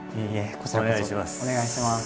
こちらこそお願いします。